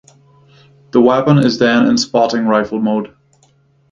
The weapon is then in spotting rifle mode.